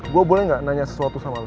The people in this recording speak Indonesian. gua boleh gak nanya sesuatu sama lu